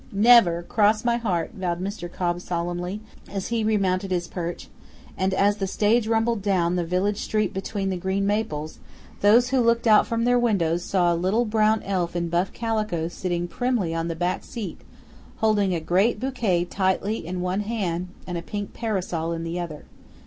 "Never! Cross my heart!" vowed Mr. Cobb solemnly, as he remounted his perch; and as the stage rumbled down the village street between the green maples, those who looked from their windows saw a little brown elf in buff calico sitting primly on the back seat holding a great bouquet tightly in one hand and a pink parasol in the other.